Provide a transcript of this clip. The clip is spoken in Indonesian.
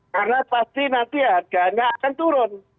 karena pasti nanti harganya akan turun